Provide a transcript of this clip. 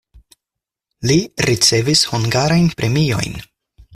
Li ricevis hungarajn premiojn.